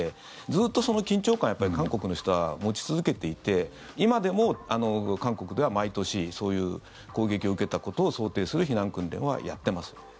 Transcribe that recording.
ずっとその緊張感を韓国の人は持ち続けていて今でも韓国では毎年、そういう攻撃を受けたことを想定する避難訓練はやってますよね。